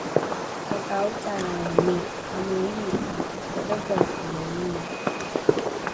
Takaocalraeni amo ii'a dhedhehe omi